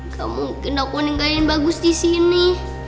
gak mungkin aku ninggain bagus di sini